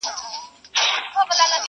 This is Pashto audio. پټ راته مغان په لنډه لار کي راته وویل!!